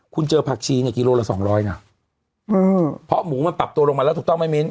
คุณเจอผักชีเนี่ยกิโลละสองร้อยนะเพราะหมูมันปรับตัวลงมาแล้วถูกต้องไหมมิ้น